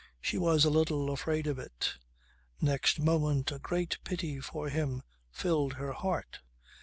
She was a little afraid of it. Next moment a great pity for him filled her heart.